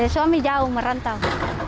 suami jauh merentau